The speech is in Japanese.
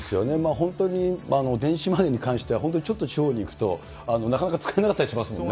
本当に電子マネーに関しては、本当にちょっと地方に行くと、なかなか使えなかったりしますもんね。